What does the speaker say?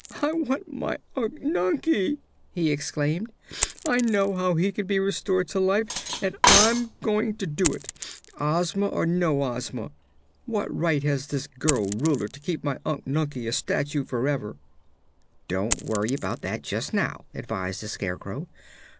"I want my Unc Nunkie!" he exclaimed. "I know how he can be restored to life, and I'm going to do it Ozma or no Ozma! What right has this girl Ruler to keep my Unc Nunkie a statue forever?" "Don't worry about that just now," advised the Scarecrow.